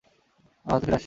আমি ভারতে ফিরে আসছি।